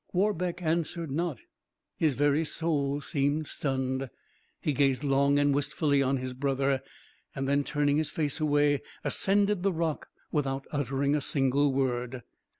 Warbeck answered not; his very soul seemed stunned; he gazed long and wistfully on his brother, and then, turning his face away, ascended the rock without uttering a single word.